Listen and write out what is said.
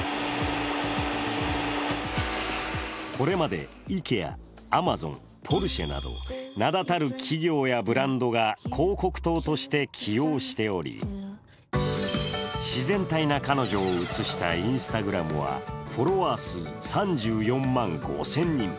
これまでＩＫＥＡ、アマゾン、ポルシェなど名だたる企業やブランドが広告塔として起用しており自然体な彼女を写したＩｎｓｔａｇｒａｍはフォロワー数３４万５０００人。